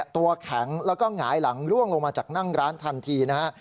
ตัวแข็งแล้วก็หงายหลังล่วงลงมาจากนั่งร้านทันทีนะฮะ